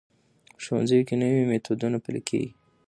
په ښوونځیو کې نوي میتودونه پلي کېږي.